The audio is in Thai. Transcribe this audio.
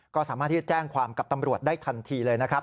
ก็สามารถที่จะแจ้งความกับตำรวจได้ทันทีเลยนะครับ